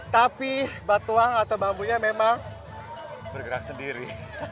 tapi batuang atau bambunya memang bergerak sendiri